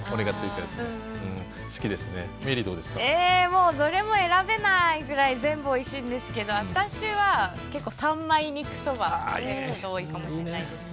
もうどれも選べないぐらい全部おいしいんですけど私は結構三枚肉そば食べること多いかもしんないです。